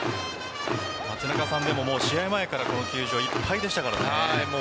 試合前からこの球場いっぱいでしたからね。